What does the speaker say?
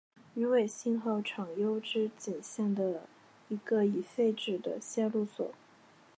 羽尾信号场筱之井线的一个已废止的线路所。